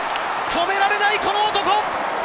止められないこの男！